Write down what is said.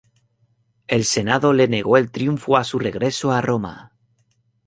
El Senado le negó el triunfo a su regreso a Roma.